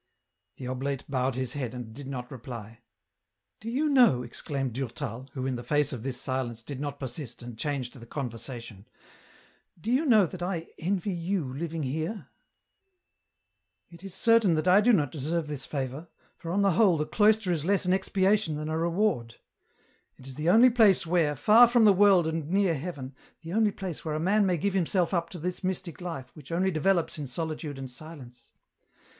The oblate bowed his head and did not reply. " Do you know," exclaimed Durtal, who in the face oi this silence did not persist and changed the conversation, *' do you know that I envy you living here ?" "It is certain that I do not deserve this favour, for, on the whole, the cloister is less an expiation than a reward ; it is the only place where, far from the world and near heaven, the only place where a man may give himself up to this mystic life which only develops in solitude and silence."